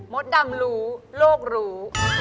ดำรู้โลกรู้